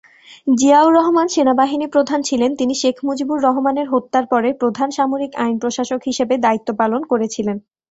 জিয়াউর রহমান সেনাবাহিনী প্রধান ছিলেন, তিনি শেখ মুজিবুর রহমানের হত্যার পরে প্রধান সামরিক আইন প্রশাসক হিসাবে দায়িত্ব পালন করেছিলেন।